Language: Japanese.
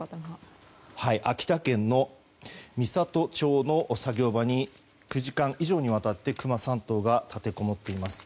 秋田県の美郷町の作業場に９時間以上にわたってクマ３頭が立てこもっています。